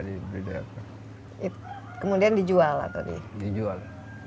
kemudian dijual atau dijual